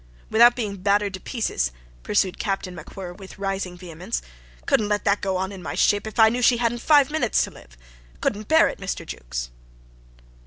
" without being battered to pieces," pursued Captain MacWhirr with rising vehemence. "Couldn't let that go on in my ship, if I knew she hadn't five minutes to live. Couldn't bear it, Mr. Jukes."